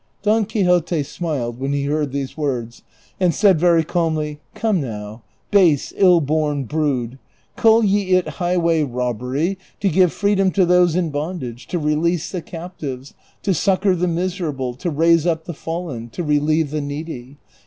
Don Quixote smiled when he heard these words, and said very calmly, " Come now, base, ill born brood ; call ye it high way robbery to give freedom to those in bondage, to release the captives, to succor the miserable, to raise up the fallen, to relieve the needy